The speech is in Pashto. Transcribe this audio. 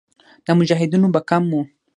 د مجاهدینو به کم وو.